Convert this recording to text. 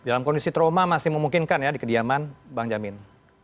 dalam kondisi trauma masih memungkinkan ya di kediaman bang jamin